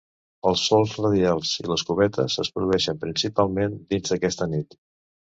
Els solcs radials i les cubetes es produeixen principalment dins d'aquest anell.